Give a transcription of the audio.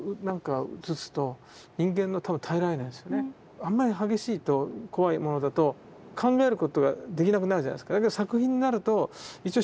あんまり激しいと怖いものだと考えることができなくなるじゃないですか。